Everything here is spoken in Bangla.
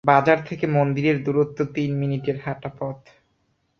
বাজার থেকে মন্দিরের দূরত্ব তিন মিনিটের হাঁটা পথ।